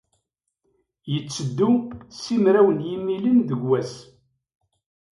Yetteddu simraw n yimilen deg wass.